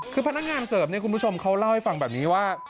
คือพนักงานเสิร์ฟเนี่ยคุณผู้ชมเขาเล่าให้ฟังแบบนี้ว่า